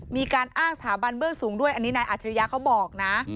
มีการอ้างสถาบันเบื้องสูงด้วยอันนี้นายอัจฉริยะเขาบอกนะ